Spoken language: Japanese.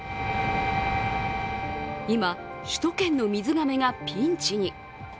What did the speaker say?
今、首都圏の水がめがピンチに。